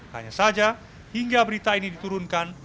hanya saja hingga berita ini diturunkan